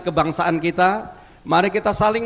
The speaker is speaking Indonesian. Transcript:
kebangsaan kita mari kita saling